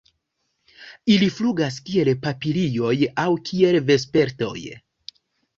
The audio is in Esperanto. Ili flugas kiel papilioj aŭ kiel vespertoj.